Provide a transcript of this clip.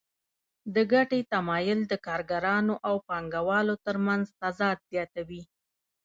د ګټې تمایل د کارګرانو او پانګوالو ترمنځ تضاد زیاتوي